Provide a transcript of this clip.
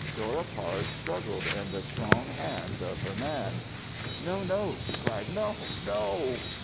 Dora Parse struggled in the strong hands of her man. "No! No!" she cried. "No no!"